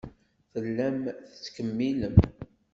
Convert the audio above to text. Tellam tettkemmilem.